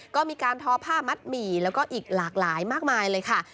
ก็มีการทอผ้ามัดหมี่แล้วก็อีกหลากหลายมากมายเลยค่ะ